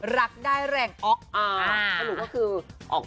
รักได้แรงออก